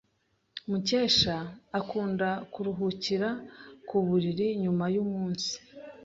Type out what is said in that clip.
Mukesha akunda kuruhukira ku buriri nyuma yumunsi.